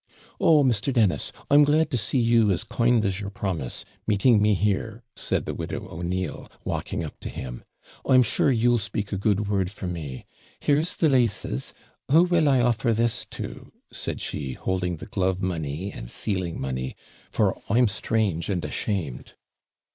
'Oh, Mr. Dennis, I'm glad to see you as kind as your promise, meeting me here,' said the widow O'Neill, walking up to him; 'I'm sure you'll speak a good word for me; here's the LASES who will I offer this to?' said she, holding the GLOVE MONEY and SEALING MONEY, 'for I'm strange and ashamed.'